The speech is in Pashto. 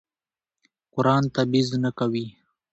قرآن تبعیض نه کوي.